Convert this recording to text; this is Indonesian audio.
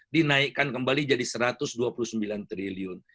dinaikkan kembali jadi satu ratus dua puluh sembilan triliun